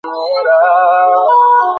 তুইও তো ভালোই আছিস।